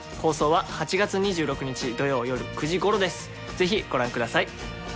ぜひご覧ください。